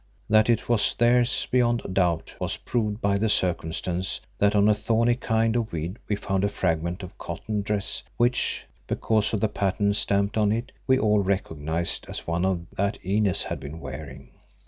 That it was theirs beyond doubt was proved by the circumstance that on a thorny kind of weed we found a fragment of a cotton dress which, because of the pattern stamped on it, we all recognised as one that Inez had been wearing.